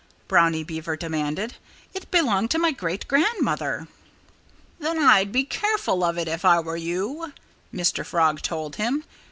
Brownie Beaver demanded. "It belonged to my great grandmother." "Then I'd be careful of it if I were you," Mr. Frog told him.